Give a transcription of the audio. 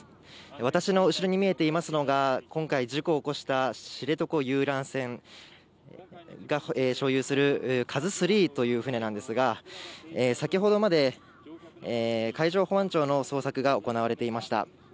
私の後ろに見えていますのが、今回、事故を起こした知床遊覧船が所有する「ＫＡＺＵ３」という船なんですが、先程まで海上保安庁の捜索が行われていました。